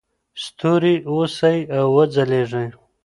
ستوري اوسئ او وځلیږئ.